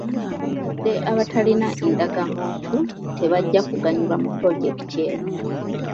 Abakadde abatalina ndagamuntu tebajja kuganyulwa mu pulojekiti eno.